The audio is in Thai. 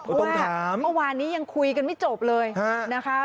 เพราะว่าเมื่อวานนี้ยังคุยกันไม่จบเลยนะคะ